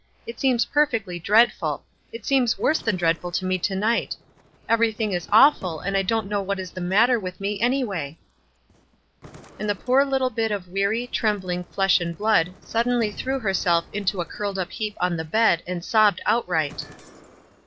It seems perfectly dreadful — it seems worse than dreadful to me to night. Everything is awful, and I don't know what is the matter with me, anyway." And the poor little bit of weary, trembling flesh and blood suddenly threw herself into a curled up heap on the bed and sobbed outright.